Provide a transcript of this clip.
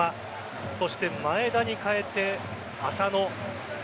そして前田に代えて浅野。